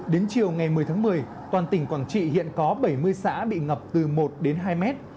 đến chiều ngày một mươi tháng một mươi toàn tỉnh quảng trị hiện có bảy mươi xã bị ngập từ một đến hai mét